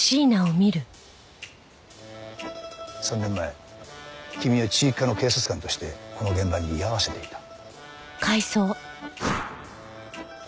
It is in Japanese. ３年前君は地域課の警察官としてこの現場に居合わせていた。